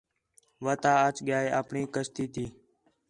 وَتا اَچ ڳِیا ہِے اپݨی کشتی تی